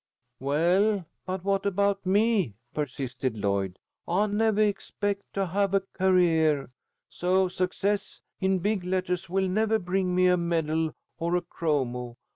"Well, but what about me!" persisted Lloyd. "I nevah expect to have a career, so Success in big lettahs will nevah bring me a medal or a chromo.